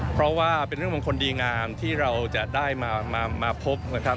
เพราะว่าเป็นเรื่องมงคลดีงามที่เราจะได้มาพบนะครับ